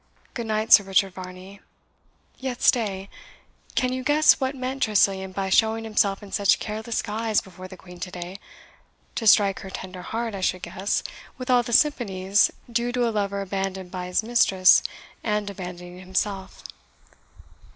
Good night, Sir Richard Varney yet stay. Can you guess what meant Tressilian by showing himself in such careless guise before the Queen to day? to strike her tender heart, I should guess, with all the sympathies due to a lover abandoned by his mistress and abandoning himself."